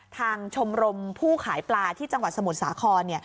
ชมรมผู้ขายปลาที่จังหวัดสมุทรสาคร